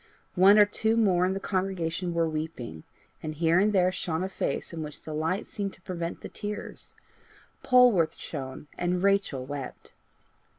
One or two more in the congregation were weeping, and here and there shone a face in which the light seemed to prevent the tears. Polwarth shone and Rachel wept.